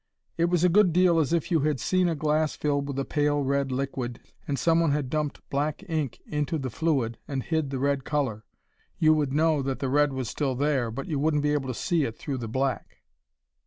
"It was a good deal as if you had seen a glass filled with a pale red liquid and someone had dumped black ink into the fluid and hid the red color. You would know that the red was still there, but you wouldn't be able to see it through the black."